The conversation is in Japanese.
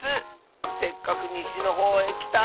せっかくにしのほうへきたのに。